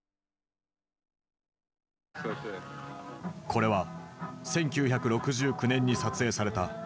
これは１９６９年に撮影されたライブ映像。